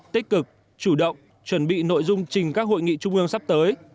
tích cực chủ động chuẩn bị nội dung trình các hội nghị trung ương sắp tới